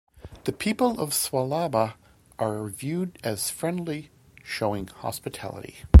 The people of Swalaba are viewed as friendly, showing hospitality.